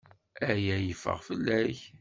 Aya yeffeɣ fell-ak.